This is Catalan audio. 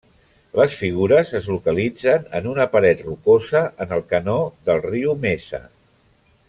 Les figures es localitzen en una paret rocosa en el canó del riu Mesa.